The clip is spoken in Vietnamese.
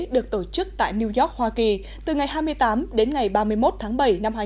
được tổ chức tại new york hoa kỳ từ ngày hai mươi tám đến ngày ba mươi một tháng bảy năm hai nghìn một mươi chín